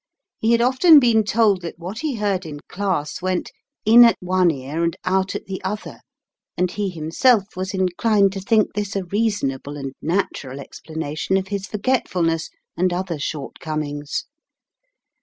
He had often been told that what he heard in class went "in at one ear and out at the other," and he himself was inclined to think this a reasonable and natural explanation of his forgetfulness and other short comings.